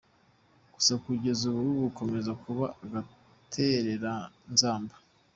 Gusa kugeza ubu bikomeje kuba agatereranzamba.